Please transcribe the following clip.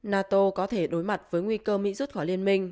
nato có thể đối mặt với nguy cơ mỹ rút khỏi liên minh